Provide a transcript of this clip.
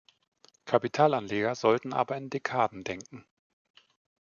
Kapitalanleger sollten aber in Dekaden denken.